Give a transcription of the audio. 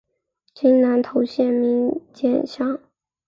今南投县名间乡。